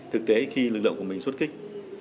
thực tế khi lực lượng của mình xuất kích